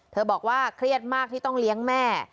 บอกว่าเครียดมากที่ต้องเลี้ยงแม่